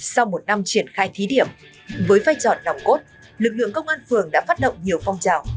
sau một năm triển khai thí điểm với vai trò nòng cốt lực lượng công an phường đã phát động nhiều phong trào